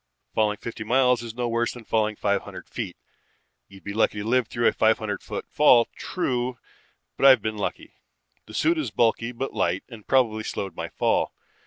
Falling fifty miles is no worse than falling five hundred feet. You'd be lucky to live through a five hundred foot fall, true, but I've been lucky. The suit is bulky but light and probably slowed my fall.